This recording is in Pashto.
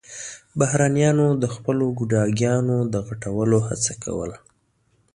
بهرنيانو د خپلو ګوډاګيانو د غټولو هڅه کوله.